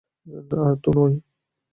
আর তো নয়ই।